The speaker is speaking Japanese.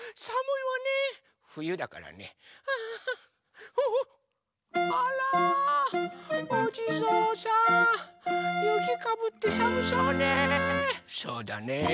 そうだね。